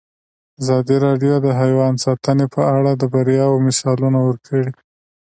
ازادي راډیو د حیوان ساتنه په اړه د بریاوو مثالونه ورکړي.